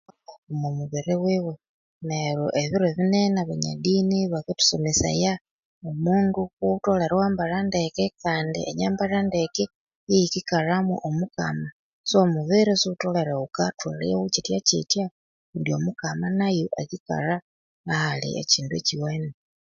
Omwa mubiri wiwe, nery ebiro ebinene abanyadini bakathusomesaya omundu kughutholere iwambalha ndeke kandi enyambalha ndeke yeyikikalhamo omukama, so omubiri siwutholere wukathwalhagho kyithya kyithya, kundi Omukama nayo akikalha ahali ekyindu ekyiwene.